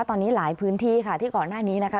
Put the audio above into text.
ตอนนี้หลายพื้นที่ค่ะที่ก่อนหน้านี้นะคะ